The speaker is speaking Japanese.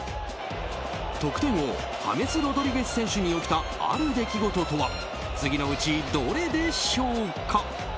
得点王ハメス・ロドリゲス選手に起きたある出来事とは次のうち、どれでしょうか？